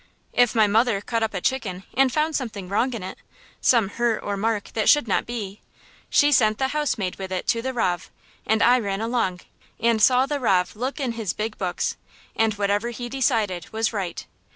If my mother cut up a chicken and found something wrong in it, some hurt or mark that should not be, she sent the housemaid with it to the rav, and I ran along, and saw the rav look in his big books; and whatever he decided was right.